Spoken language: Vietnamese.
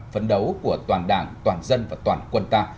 phấn đấu của toàn đảng toàn dân và toàn quân ta